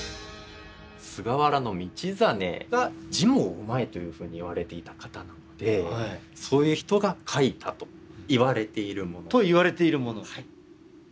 菅原道真が「字もうまい」というふうに言われていた方なのでそういう人が書いたといわれているもの。といわれているもの。